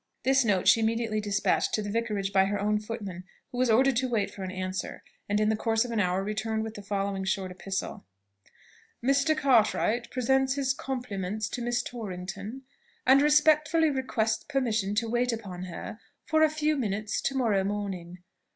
This note she immediately despatched to the Vicarage by her own footman, who was ordered to wait for an answer, and in the course of an hour returned with the following short epistle: "Mr. Cartwright presents his compliments to Miss Torrington, and respectfully requests permission to wait upon her for a few minutes to morrow morning.